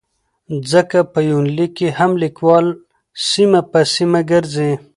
ځکه په يونليک کې هم ليکوال سيمه په سيمه ګرځي